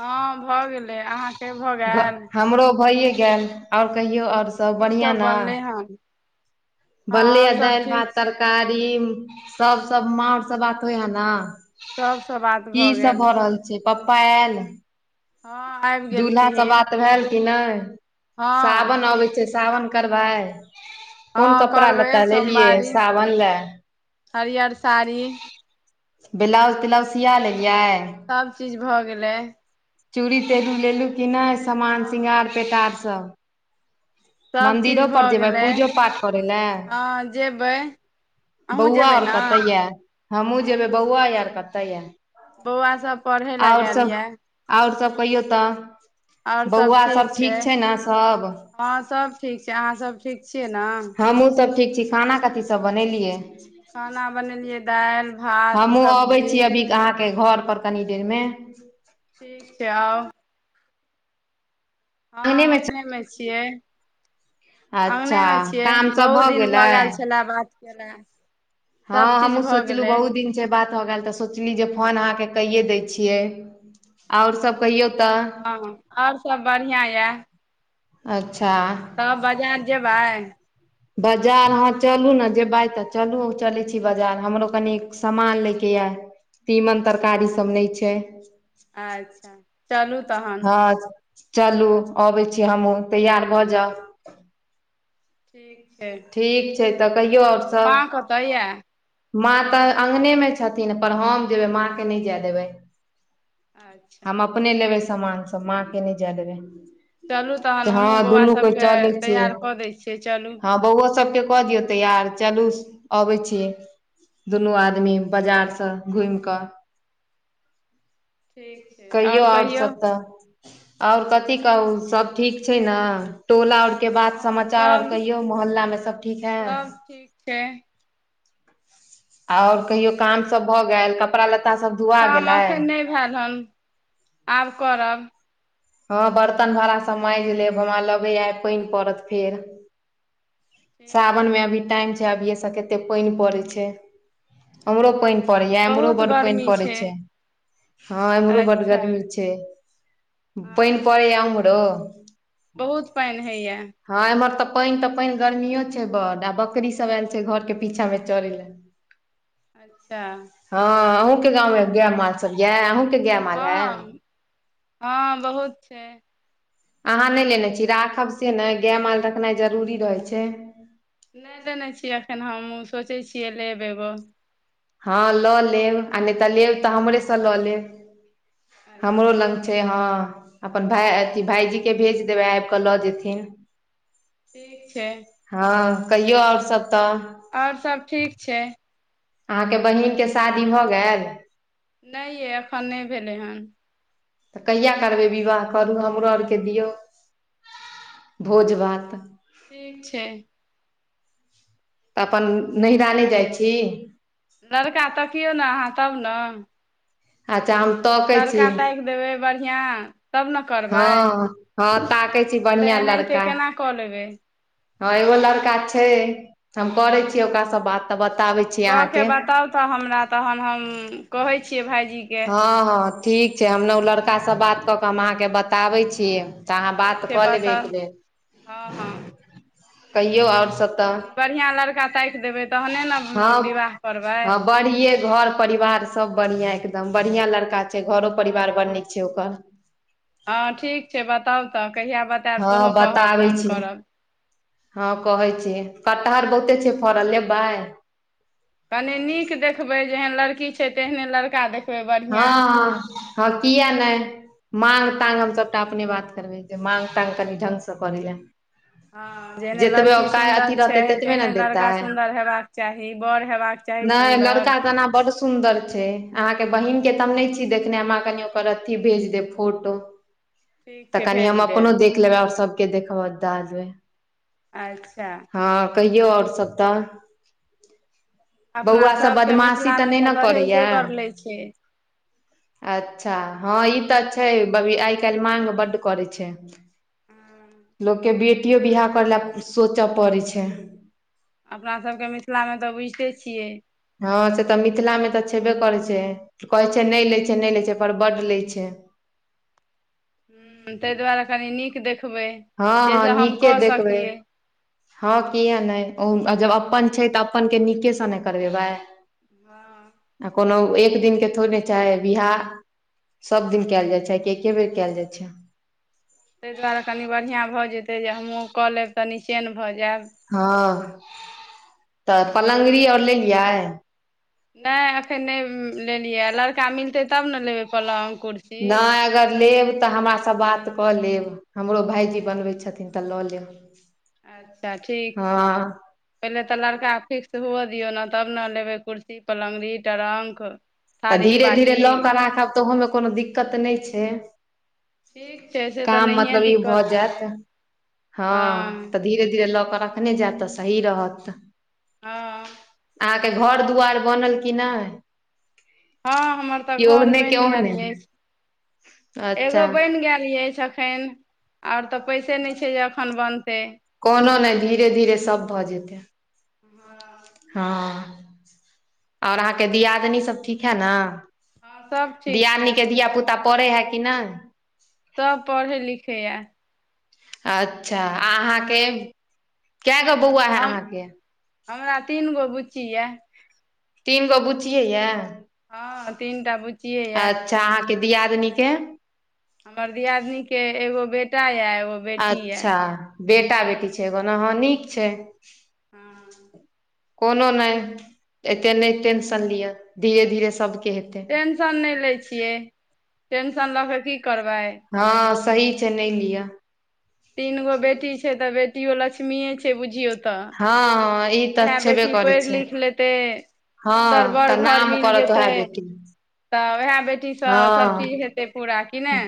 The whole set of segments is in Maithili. हँ भऽ गेलै अहाँके भऽ गेल हमरो भइए गेल आओर कहियऔ आओर सब की बढ़िआँ न बनलै हन हँ बनलय आओर सब दालि भात ठीक छै तरकारी की सब सब माँ आर बात होयहै ने सबसँ बात की गेल सब भऽ रहल छै से पप्पा आयल हँ आबि दुल्हा स गेलखिन बात भेल कि नहि हँ सावन अबै छै सावन करबै कोन हँ कपड़ा करबै लत्ता लेलियै साावन लए हरिअर साड़ी ब्लाउज़ तेलाउज सिआ लेलियै सब चीज भ गेलै चूड़ी तेरू लेलु कि नहि सामान हँ श्रृंगार पेटारसभ। सब मन्दिरो चीज पर भऽ जेबै गेलै पूजो पाठ करै लए? हँ जेबै अहूँ बौआ जेबै आर ने कत यए हमहुँ जेबै बौआ आर कत य बौआ सभ पढ़े लए गेल ये आओर सभ कहियौ आओर तऽ बौआ सभ ठीक छै। ने सभ हँं सभ ठीक छै। अहाँ सभ ठीक छियै ने हमहूँ सभ ठीक छी। खाना कथीसभ बनेलियै? खाना बनेलियै दालि भात हमहु अबै सब्जी छी अभी आहाँके घर पर कनी देरमे ठीक छै। आउ हँ अंगने मे अंगनेमे छियै अच्छा अंगनेमे छियै काम सब बहुत दिन भऽ गेलै गेल छलय बात केला सभ हँ चीज हमहुं भऽ सोचलु गेलै बहुत दिन जे बात हो गेल तऽ सोचली जे फोन अहाँके कहि दैय छियै आऔर सभ कहियो तऽ हँ और सभ बढ़िया य‌ए अच्छा तब बजार जेबै? बाजार आहाँ चलू ने जेबै तऽ चलू चलै छी। बाजार हमरो कनि सामान लैके यऽ तीमन तरकारी सभ नहि छै। अच्छा चलू तहन हँ चलू अबै छी हमहुँ तैयार भऽ जाउ ठीक छै। ठीक छै। तऽ कहियौ आओर सब माँ कतऽ यए माँ तऽ अगंनेमे छथिन। पर हम जेबै माँके नहि जाय देबै अच्छा हम अपने लेबै सामान सभ माँ के नहि जाय देबै। चलू तहन तऽ हँ हमहुँ बौआ दुनू कोइ सभके चलै छियै तैयार कऽ दै छियै चलू हँ बौओ सभके कऽ दियौ तैयार चलू अबै छियै दुनू आदमी बाजारसँ घुमि कऽ ठीक छै। आओर कहियौ? और कथी कहू सभ ठीक छै। ने टोला और के बात हँ समाचार आर सभ कहि मोहल्ला मे सभ ठीक है? सभ ठीक छै। आऔर कहियो काम सभ भए गेल कपड़ा लत्ता सभ काम एखन नहि भेल हन आब करब हँ बर्तन भाड़ाँ माँजि लेब हमरा लगै आ पानि पड़त फेर ठीक सावन छै मे अभी टाईम छै। अभियएसँ कते पानि पड़ै छै। हमरो पानि पड़ै या एम्हरो बहुत बड्ड पानि गर्मी पड़े छै। हँ एम्हरो बड अच्छा गर्मी छै। पानि हँ पड़ैय उमहरो? बहुत पानि होइए हँ एमहर तऽ पानि तऽ पानि गर्मियो छै। बड आ बकरी सभ आयल छै। घर के पीछा में चरे ले [inaudible] अच्छा हँ आहूँके गाँव मे गाय माल सभ यए अहूँके गाय माल है हँ हँ बहुत छै। आहाँ नहि लेने छी राखब से ने गाय माल रखनाइ जरूरी रहै छै। नहि लेने छियै। एखन हम सोचै छियै। लेब एगो हँ लऽ लेब आ नहि तऽ लेब तऽ हमरेसँ लऽ लेब हमरो अच्छा लग छै। हँ अपन भय अथी भाईजीके भेज देबै आबिक लऽ जेथिन ठीक छै। हँ कहियो आओर सभ तऽ और सब ठीक छै अहाँके बहिनके शादी भऽ गेल नहि यइ एखन नहि भेलैहन तऽ कहिया करबै विवाह करू हमरो आरके दियौ भोज भात ठीक छै तऽ अपन नैहरा नहि जाइ छी लड़का तकियौ ने अहाँ तब ने अच्छा हम तकै लड़का छी ताकि देबै बढ़िआँ तब ने करबै हँ हँ ताकै छी नहि तऽ बढ़िआँ एनाहितै लड़का केना कऽ लेबै हँ एगो लड़का छै हम करे छियै ओकरा से बात तऽ बताबै छी कऽ अहाँके के बताउ तऽ हमरा तहन हम कहै छियै भाइजीके हाँ ठीक छै हम ने ओ लड़का सँ बात कऽ कऽ हम अहाँके बताबै छी तऽ अहाँ ठीक बात छै कऽ लेबै एक बताउ बेर हँ हँ कहियौ आओर सब त कनि बढ़िआँ लड़का ताकि देबै तहने ने हं विवाह करबै हं बढ़िये घर परिवार सब बढ़िया एकदम बढ़िया लड़का छै घरो परिवार बड़ हँ नीक छै ओकर हँ ठीक छै बताउ तऽ कहिया बतायब हँ सेहो कहब बताबै फोन छियै करब हँ कहै छी कटहर बहुते छै फड़ल लेबै कने नीक देखबे जेहन लड़की छै तेहने लड़का देख हँ हँ हँ किया नहि माङ्ग तांगर हम सभटा अपने बात करबै जे माङग ताङंग कनि ढङ्गसँ करै लए हँ जेहने जतबे लड़की ओक अथी सुन्दर छै रहतै ततबे ने तेहने देतै लड़का सुन्दर हेबाक चाही बड़ हेबाक चाही नइ लड़का सुन्दर एना बड सुन्दर छै अहाँ बहिन के त हम नहि छी देखने हमाँ कनि ओकर अथी भेज दे फोटो ठीक त छै कनि हम भेज अपनो देब देख लेबै ओर सबके देखब दाय देबै अच्छा हँ कहियौ आओर सभ तऽ अपना बौआ सब सभके बदमाशी तऽ मिथिलामे नहि त ने करैया दहेजे बर ले छै अच्छा हँ ई तऽ छै अभी आइ काल्हि मांग बड्ड करै छै लोकके बेटियो बियाह करय लए सोचे पड़ै छै अपना सबके मिथिलामे तऽ बुझिते छियै हँ से तऽ मिथिलामे तऽ छेबे करै छै कहैत छै नहि लैत छै नहि लैत छै पर बड्ड लैत छै ह ते दुआरे कनी नीक देखबै हँ हँ जाहिसँ हम नीके कऽ देखबै सकियै हँ किए नहि ओ जब हँ अपन छै तऽ अपने नीके सँ नहि करबेबै हँ आ कोनो एक दिन के थोड़े चाहे विियाह सब दिन कयल जाइ छै कि एके बेर कयल जाइ छै ताहि दुआरे कनि बढ़िया भ जेतै जे हमहूँ क लेब त नीसचेन भ जायब हँ त पलंगड़ी ओर लेलियै न एखन न लेलियै लड़का मिलतै तब ने लेबै पलंग कुर्सी नहि अगर लेब तऽ हमरा त बात क लेब हमरो भाायजी बनबै छथिन त ल अच्छा लेब ठीक छै हँ पहिले तऽ लड़का फिक्स हुअ दियऔ ने तब ने लेबे कुर्सी पल्गडी ट्रंक थारी बाटी त ओहो मे कोनो दिक्कत नहि छै ठीक छै से तऽ काम नहिए मतलब ई भ दिक्कत जायत छै हँ त धीरे धीरे लऽ क रखने जायत तऽ सही रहत हँ के घर दुआर बनल की नहि? हँ हमर तऽ कि घर ओहने के बनि ओहने गेल अछि। अच्छा एगो बनि गेल अछि अखन। आओर तऽ पैसे नहि छै। जे एखन बनतै कोनो नहि धीरे धीरे सभ भऽ जेतै हँ हँ ओर अहाँके दियादनी सभ ठीक है ने? हँ सभ ठीक दियादनी छै के धिया पुता पढ़े है कि न? सभ पढ़ै लिखैए। अच्छा अहाँके केगो बौआ है हम अहाँके? हमरा तीन गो बुच्ची य। तीन गो बुचिये यै। हँ तीन टा बुच्चिए अच्छा यए अहाँ के दियादिनी के? हमर दियादिन के एगो बेटा य ओ अच्छा बेटा बेटी छै, एगोना ह नीक छै। हँ कोनो नहि एते नहि टेंशन लिअ धीरे धीरे सभके हेतै। टेंशन नहि लै छियै। टेंशन लऽ कऽ की करबै। हँ सही छै, नहि लिअ। तीन गो बेटी छै। तऽ बेटियो लक्ष्मीए छै। से बुझियौ त हँ हँ ई उएह तऽ छेबे बेटी करै पढ़ छै लिख लेतै। सुन्दर हँ बड़ तऽ घर नाम मिल करत जेयतै। ओएह बेटी त उएह बेटी सँ हँ सभचीज हेतै पूरा कि नहि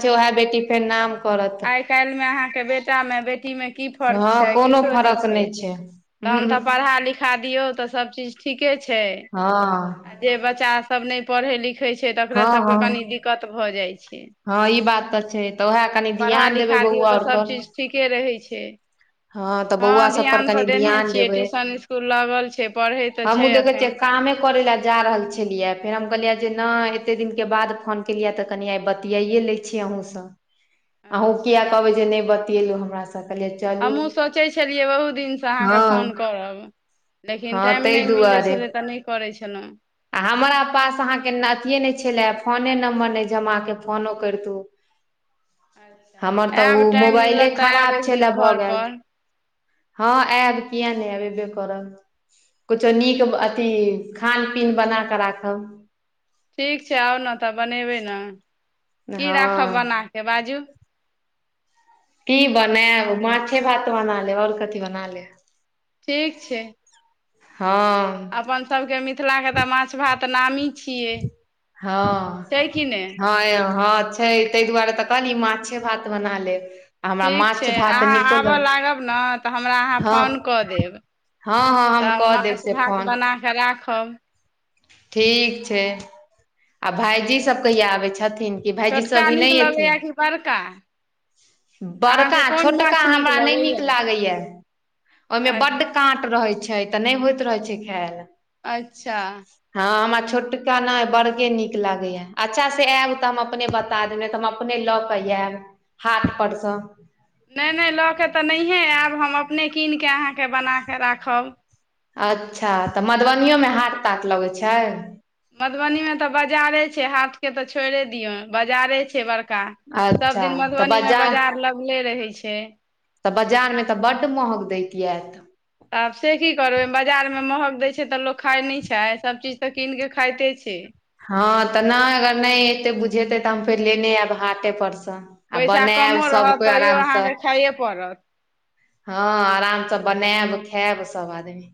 वएह बेटी फेर नाम करत आइ काल्हि में अहाँके बेटा में बेटी में की फर्क हँ छै। कोनो किछो नहि फरक छै। हूँ, तहन हूँ, त पढ़ा लिखा खा दियौ त सभ चीज ठीके छै। हँ जे बच्चा सभ नहि पढ़ै लिखै छै। तकरा हँ सभके हँ कनी दिक्कत भऽ जाइ छै। हँ ई बात तऽ छै तऽ उएह कनि ध्यान देबै बौआ आर पर के रहै छै तऽ बौआ हँ, सब पर ध्यान तऽ कनि देने ध्यान छियै, देबै ट्यूशन इस्कुल लागल छै, पढ़ै तऽ छै एखन। करे ले जा रहल छलियै, फेर हम कहलियै जे न, एते दिनके बाद फोन केलियै तऽ कनि आइ बतिया ले। छी अहूँ सभ। [inaudible] अहाँ की कहबै जे नहि बतियेलहुँ हमरासँ तऽ? हमहुँ सोचै छलियै बहुत दिन सँ हँ अहाँके फोन करब लेकिन हँ टाइम ताहि नहि मिलै दुआरे छलै तऽ नहि करै छलहुँ। आ हमरा पास अहाँक अथिए नहि छलै फोन नम्बर, ने जमा कऽ फोनो करतो। अच्छा, आयब ओ टाइम मोबाइले मिलत तऽ आयब खराब एक छलए दिन भऽ घर गेल पर। हँ आयब किए न आब एबे करब कुछो नीक अथी खान पीन बना कऽ राखब। ठीक छै। आउ ने तऽ बनेबै ने की राखब हँ बनाके बाजू की बना माछ भात बना ले आओर कथी बना ले? ठीक छै। हँ अपन सभके मिथिला के तऽ माछ भात नामी छियै हँ छै कि नहि हँ हँ छै तऽ दुआरे तऽ कहली, माछ भात बना लेब। आ हमरा ठीक छै। माछ भात अहाँ नीको आबऽ लग लागब ने तऽ हमरा अहाँ हँ फोन कऽ देब। हँ हँ हम तब कऽ देब माछ से भात फोन बना क राखब ठीक छै। आ भाइजी सभ कहिया आबै छथिन कि भाईजी छोटका सबी नीक नहि एथि लगैए कि बड़का बड़का अहाँके कोन छोटका माछ नीक हमरा नहि नीक लगैए लागैए ओहिमे बड काँट रहै छै। त नहि होइत रहै छै खायल अच्छा हँ, हमरा छोटका नहि, बड़गे नीक लागैए। अच्छा से आयब तऽ हम अपने बता। दम तऽ हम अपने लऽ केऽ आयब हाट परसँ। नहि नहि, लऽ कऽ तऽ नहिए आयब, हम अपने कीन कऽ अहाँकेँ बना कऽ राखब। अच्छा, तऽ मधुबनीमे हाट ताट लगैत छै? मधुबनी मे तऽ बाजारे छै। हाट के तऽ छोड़े दियौ बाजारे छै। बड़का का सभ अच्छा दिन तऽ मधुबनी मे बाजार लगले रहै छै। तऽ बाजार मे तऽ बड महग दयके यत त आब से की करबै बाजार मे महग दै छै। त लोक खाय न छै। सभ चीज तऽ कीन के खाइते छै। हँ तऽ नहि अगर नहि एते बुझेतै तऽ हम फेर लेने आयब हाटे परसँ आ पैसा बनायब कमो सभ रहत कोइ तैयो आराम सँ अहाँके खाइए पड़त हँ आराम से बनायब खायब सभ आदमी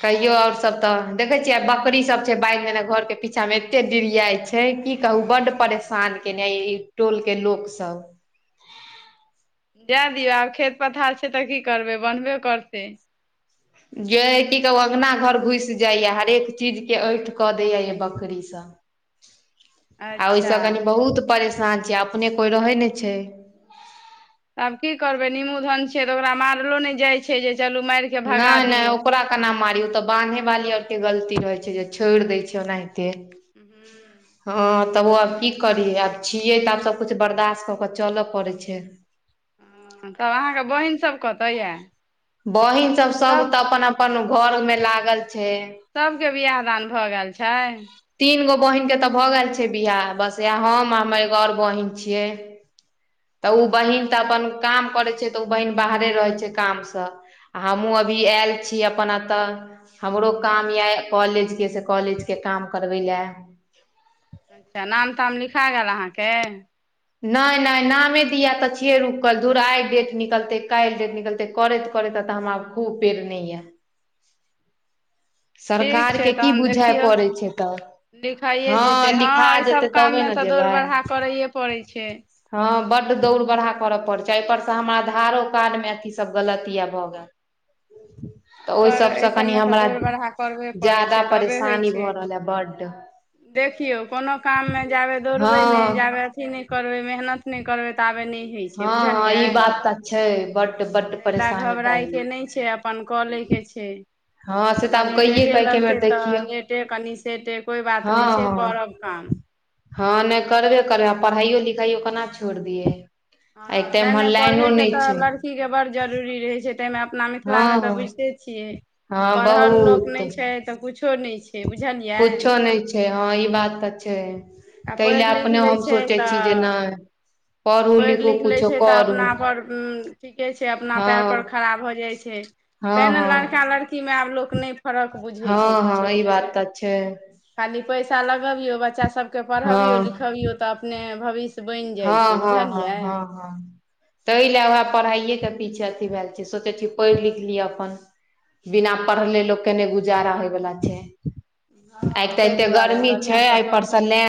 कहियो आओर सभ तऽ देखै छियै आ बकरी सभी छै। बाइि जेने घरके पीछा मे एते डिरियाइत छै। छै, की कहू बड परेशान केने ई टोल के लोक सभ दए दियौ आब खेत पथार छै। त की करबै बनबे करतै जे की कहू अंगना घर घुस जाइया हरेक चीज के ऐठ कऽ दया य बकरी आ अच्छा ओहिसँ कनी बहुत परेशान छीये अपने कोई रहै ने छै। आब की करबै नीमू धन छियै त ओकरा मारलो न जाइ छै। जे चलू मार न न ओकरा केना मारियौ त बान्हे वाली आर के गलती रहै छै। जे छोड़ि दै छै। ओनाहिते हू हँ तब ओ आब की करियी आब छियै तऽ आब सभकिछु बर्दाश्त कऽ कऽ चलऽ पड़ैत छै। हँ, तब अहाँ के बहिन सभ कत य? बहिन सभ, सभ तऽ अपन अपन घर में लागल छै। सभके बिआह दान भऽ गेल छै? तीन गो बहिन के तऽ भऽ गेल छै। बिहाराह बस इह हम हमर एगो आओर बहिन छियै तऽ ओ अच्छा बहिन तऽ अपन काम करै छै। तऽ ओ बहिन बाहरे रहै छै। कामसँ आ हमहहुँ अभी आयल छी अप एतऽ। हमरो काम यए कॉलेजके से कॉलेजके काम करबै लए अच्छा नाम ताम लिखा गेल अहाँके? नहि नहि नामे दिया तऽ छियै रुकल। दूर आइ डेट निकलतै काल्हि डेट निकलतै करैत करैत तऽ हमरा खूब पेड़ नहि यऽ ठीक छै सरकारके की तहन बुझइ देखियौ पड़ैत छै। तब लिखाइए जेतै हँ एहिसभ तबे काममे ने तऽ दौड़ जेबै बरहा करैए पड़ै छै। हँ बड्ड दौड़ बड़हा करय पड़ै छै। एहिपर से हमर आधारो कार्ड मे अथी सब गलत आ भऽ गेल तऽ [inaudible] ओहि बड़ सबसँ एहि कनि सभमे तऽ हमरा दौड़ि बढ़हा करबे पड़ै ज्यादा छै। तबे होइ परेशानी छै। भऽ रहल है बड्ड देखियौ कोनो काममे जाबे दौड़बै हँ नहि जाबै करबै मेहनत नहि करबै तऽ आबे नहि होइ छै। हँ हँ बुझलियै ई बात तऽ छै बड्ड बड्ड ला परेशानी भऽ घबरायके गेल नहि छै। अपन कऽ लै के छै। हँ से तऽ आब कनि कहिये लेटे कहिके एक लगतै बेर तऽ देखियौ लेटे कनि सेटे कोइ बात हँ नहि छै। हँ करब काम हँ नहि करबे करब आ पढ़ाइयो लिखाइयो केना छोड़ि दियै। आ तऽ इम्हर लाइनो नहि छै। ठीक के बड्ड जरूरी रहै छै। ताहिमे अपना हँ मिथिलामे तऽ हँ बुझिते छियै हँ पढ़ल लोक नहि बहुत छै। तऽ किछो नहि छै। बुझलियै? कुछो नहि छै, हँ ई बात तऽ छै। आ ता पढ़ि लए लिख अपने लै हम सोचै छी जे नहि पढ़ू पढ़ लिखू लिख ले कुछो छै तऽ करू अपना पर उठ के छै, अपना पैर हँ पर खड़ा हो जे। तै हँ लड़का हँ लड़की मे आब लोक नहि फरक बुझै छै। हँ हँ ई किछोके बात तऽ छै खाली पैसा लगबियो बच्चा सब के हँ पढ़बियो लिखबियो तऽ अपने भविष्य बनि हँ जाइ छै हँ हँ बुझलियै हँ हँ ताहि लए उएह पढ़ाइएके पीछ अथी भेलए छै सोचै छी पढ़ि लिख लिअ अपन बिना पढ़ले लोक के नहि गुजारा होय बला छै आइ हँ तऽ ताहि एते दुआरे गर्मी छै बढ़िआँसँ आइ पर सँ पढ़ू लेन